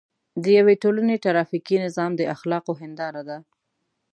د یوې ټولنې ټرافیکي نظام د اخلاقو هنداره ده.